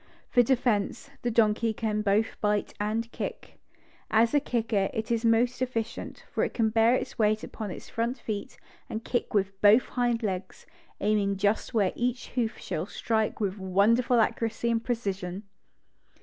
For defense, the donkey can both bite and kick. As a kicker it is most efficient, for it can bear its weight upon its front feet and kick with both hind legs, aiming just where each hoof shall strike with wonderful accuracy and precision.